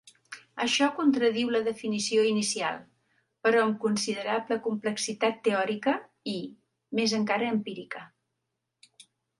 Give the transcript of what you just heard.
Això contradiu la definició inicial, però amb considerable complexitat teòrica i, més encara empírica.